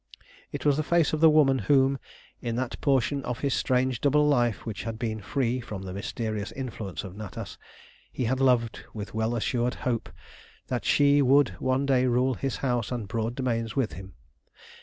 It was the face of the woman whom, in that portion of his strange double life which had been free from the mysterious influence of Natas, he had loved with well assured hope that she would one day rule his house and broad domains with him.